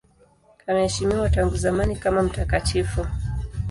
Anaheshimiwa tangu zamani kama mtakatifu.